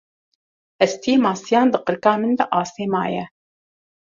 Hestiyê masiyan di qirika min de asê maye.